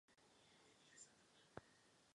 Vrcholovým predátorem je jaguár americký.